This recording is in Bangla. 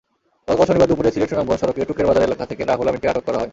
গতকাল শনিবার দুপুরে সিলেট-সুনামগঞ্জ সড়কের টুকেরবাজার এলাকা থেকে রুহুল আমিনকে আটক করা হয়।